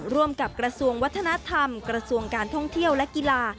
ร่วมกับกระทรวงวัฒนธรรมกระทรวงการท่องเที่ยวและกีฬา